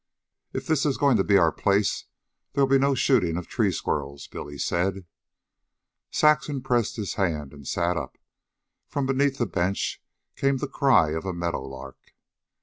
"If this is goin' to be our place, they'll be no shootin' of tree squirrels," Billy said. Saxon pressed his hand and sat up. From beneath the bench came the cry of a meadow lark.